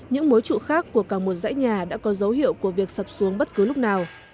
những mối trụ khác của cả một dãy nhà đã có dấu hiệu của việc sập xuống bất cứ lúc nào